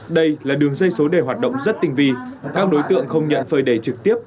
đây là đường dây số đề hoạt động rất tinh vi các đối tượng không nhận phơi đề trực tiếp